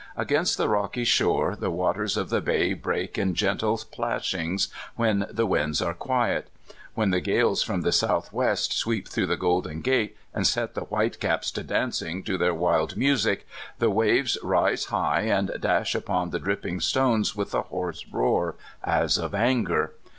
Against the rocky shore the Nvaters of the bay break in gentle plash.ngs when tl e winds are quiet. When the gales from the south wesfsweep through the Golden Gate and set the wh te caps to dancing to their wild music the waves rise high, and dash upon the dnppmg stones wkh a hoarse'roar, as of anger.